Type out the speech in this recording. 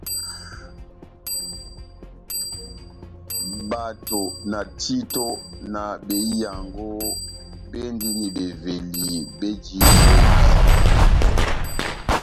Bato, na títo, na behiyango béndini beveli béji ó emɛnɔ.